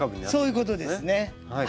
そういうことですね。